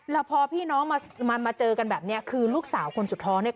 แล้วพอพี่น้องมามาเจอกันแบบนี้คือลูกสาวคนสุดท้องเนี่ย